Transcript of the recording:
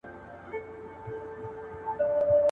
که موږ خپله ژبه وپالو نو کلتور مو ژوندی پاته کيږي.